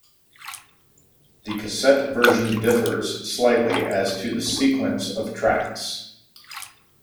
The cassette version differs slightly as to the sequence of tracks.